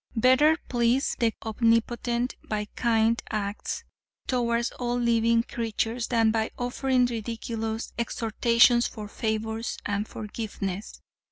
Better please the Omnipotent by kind acts toward all living creatures than by offering ridiculous exhortations for favors and forgiveness.